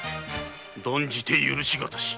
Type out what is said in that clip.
断じて許し難し！